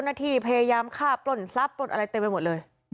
ไปฆ่าจนทีพยายามฆ่าปล้นทรัพย์อะไรเต็มไปหมดเลย